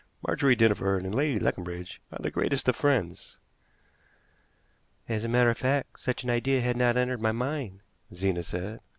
Margery Dinneford and Lady Leconbridge are the greatest of friends." "As a matter of fact, such an idea had not entered my mind," Zena said.